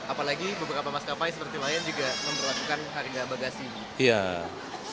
apalagi beberapa maskapai seperti lion juga memperlakukan harga bagasi